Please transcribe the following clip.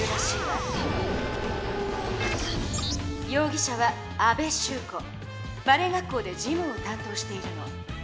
ようぎ者はバレエ学校で事務をたん当しているの。